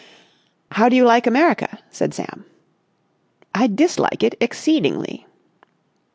"How do you like America?" said Sam. "I dislike it exceedingly."